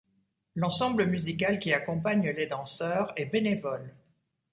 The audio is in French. L’ensemble musical qui accompagne les danseurs est bénévole.